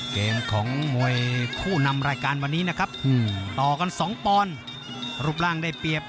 เกมของมวยคู่นำรายการวันนี้นะครับต่อกัน๒ปอนด์รูปร่างได้เปรียบ